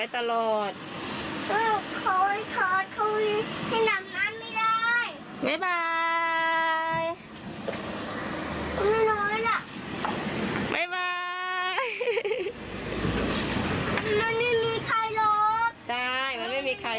น้องเข้าไปให้ดูนะ